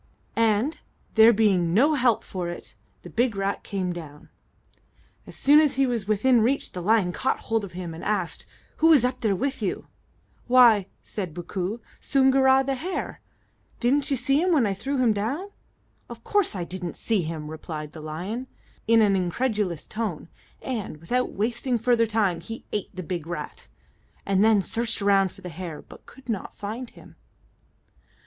and, there being no help for it, the big rat came down. As soon as he was within reach, the lion caught hold of him, and asked, "Who was up there with you?" "Why," said Bookoo, "Soongoora, the hare. Didn't you see him when I threw him down?" "Of course I didn't see him," replied the lion, in an incredulous tone, and, without wasting further time, he ate the big rat, and then searched around for the hare, but could not find him.